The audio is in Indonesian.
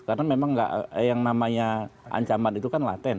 karena memang yang namanya ancaman itu kan laten